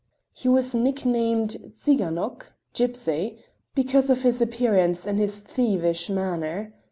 He was nicknamed Tsiganok (gypsy) because of his appearance and his thievish manner.